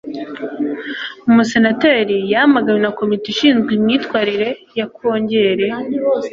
umusenateri yamaganwe na komite ishinzwe imyitwarire ya kongere